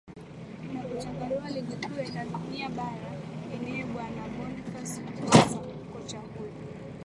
na kuchanganua ligi kuu ya tanzania bara ninaye bwana bonifas mkwasa kocha huyu